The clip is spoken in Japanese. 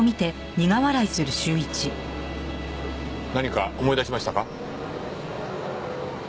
何か思い出しましたか？